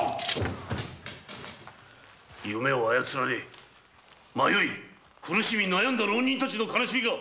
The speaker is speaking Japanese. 夢を操られ迷い苦しみ悩んだ浪人たちの悲しみが。